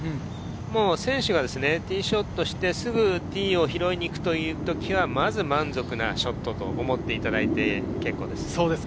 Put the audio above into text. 選手はティーショットして、すぐティーを拾いにいくという時は、まず満足なショットと思っていただいて結構です。